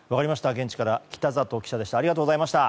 現地から北里記者でした。